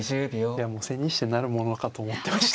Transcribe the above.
いやもう千日手になるものかと思ってました。